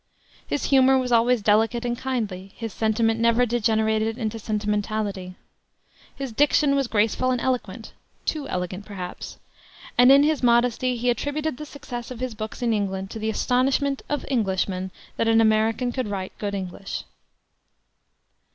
His humor was always delicate and kindly; his sentiment never degenerated into sentimentality. His diction was graceful and elegant too elegant, perhaps; and in his modesty he attributed the success of his books in England to the astonishment of Englishmen that an American could write good English.